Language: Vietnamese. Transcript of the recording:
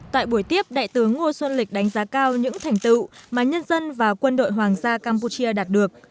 tại buổi tiếp đại tướng ngô xuân lịch đánh giá cao những thành tựu mà nhân dân và quân đội hoàng gia campuchia đạt được